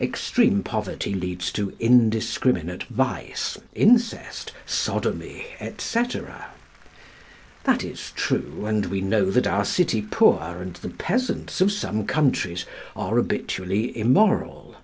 Extreme poverty leads to indiscriminate vice, incest, sodomy, &c. That is true, and we know that our city poor and the peasants of some countries are habitually immoral.